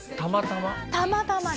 たまたま？